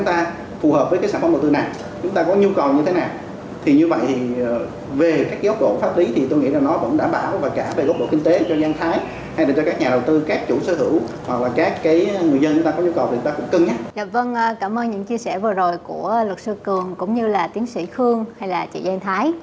vâng cảm ơn những chia sẻ vừa rồi của luật sư cường cũng như là tiến sĩ khương hay là chị giang thái